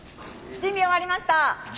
「準備終わりました」。